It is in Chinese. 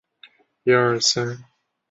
贝尔纳克德巴人口变化图示